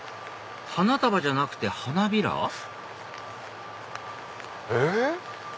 花束じゃなくて花びら？え？